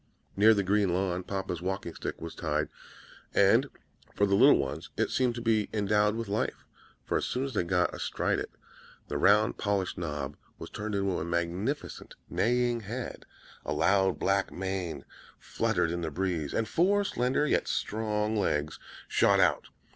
Near the green lawn papa's walking stick was tied, and for the little ones it seemed to be endowed with life; for as soon as they got astride it, the round polished knob was turned into a magnificent neighing head, a long black mane fluttered in the breeze, and four slender yet strong legs shot out.